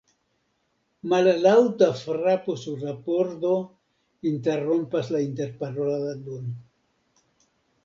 Mallaŭta frapo sur la pordo interrompas la interparoladon.